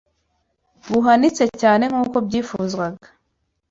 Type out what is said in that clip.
buhanitse cyane nk’uko byifuzwaga